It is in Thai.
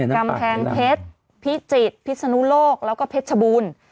กำแพงเพชรพิจิตรพิศนุโลกแล้วก็เพชรชบูรณ์